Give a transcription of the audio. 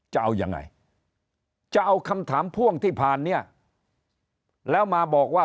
จะเอายังไงจะเอาคำถามพ่วงที่ผ่านเนี่ยแล้วมาบอกว่า